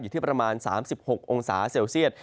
ที่ประมาณ๓๖องศาเซลเซียต